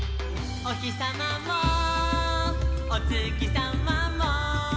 「おひさまもおつきさまも」